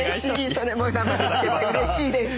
それも生で聞けてうれしいです。